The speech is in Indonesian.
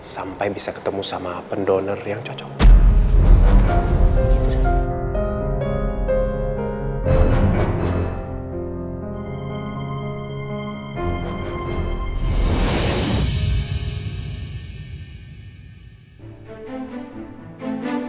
sampai bisa ketemu sama pendonor yang cocok